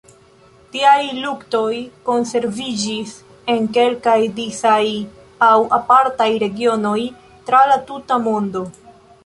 Tiaj luktoj konserviĝis en kelkaj disaj aŭ apartaj regionoj tra la tuta mondo.